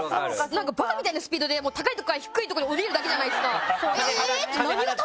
何かバカみたいなスピードで高いところから低いところに下りるだけじゃないですか。